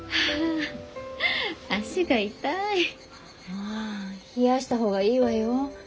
ああ冷やした方がいいわよ。